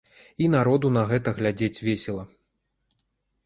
І народу на гэта глядзець весела.